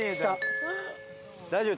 大丈夫？